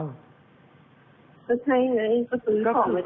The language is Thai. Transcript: ก็ใช่ไงก็ซื้อของไม่ได้ของ